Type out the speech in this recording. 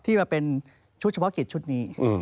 มาเป็นชุดเฉพาะกิจชุดนี้